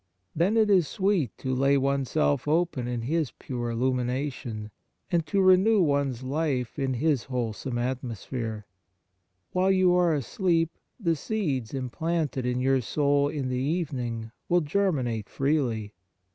Then it is sweet to lay oneself open to His pure illumination, and to renew one s life 118 Instructions and Reading in His wholesome atmosphere ! While you are asleep, the seeds implanted in your soul in the evening will germinate freely.